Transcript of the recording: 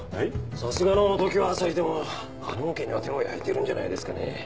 さすがの常葉朝陽でもあのオケには手を焼いてるんじゃないですかね。